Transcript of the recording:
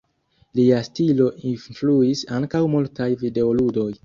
Lia stilo influis ankaŭ multaj videoludoj.